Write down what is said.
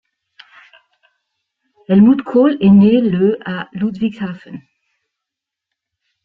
Helmut Kohl est né le à Ludwigshafen.